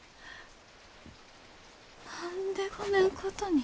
何でこねんことに。